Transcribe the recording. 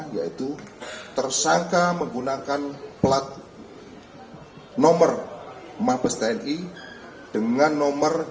yaitu tersangka menggunakan pelat nomor mabes tni dengan nomor delapan puluh empat ribu tiga ratus tiga puluh tujuh